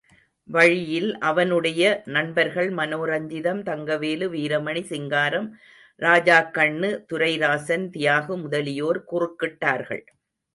வழியில் அவனுடைய நண்பர்கள் மனோரஞ்சிதம், தங்கவேலு, வீரமணி, சிங்காரம் ராஜாக்கண்ணு, துரைராசன், தியாகு முதலியோர் குறுக்கிட்டார்கள்.